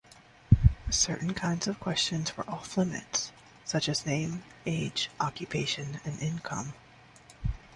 Certain kinds of questions were "off-limits", such as name, age, occupation, and income.